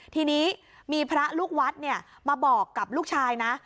ทีนี้มีพระลูกวัดมาบอกกับลูกชายนะ